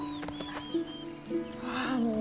ああもう。